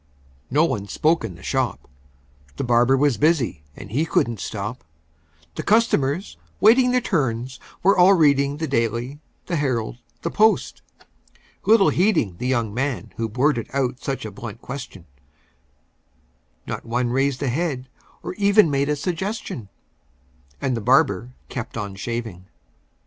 No one spoke in the shop: The barber was busy, and he couldn't stop; The customers, waiting their turns, were all reading The "Daily," the "Herald," the "Post," little heeding The young man who blurted out such a blunt question; Not one raised a head, or even made a suggestion; And the barber kept on shaving.